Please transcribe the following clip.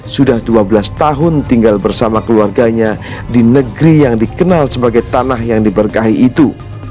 sudah dua belas tahun tinggal bersama keluarganya di negeri yang dikenal sebagai tanah yang diberkahi itu